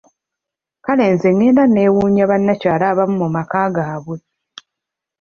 Kale nze ngenda nenneewunya bannakyala abamu mu maka gaabwe!